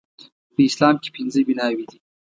په اسلام کې پنځه بناوې دي